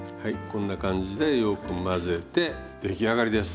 こんな感じでよく混ぜて出来上がりです。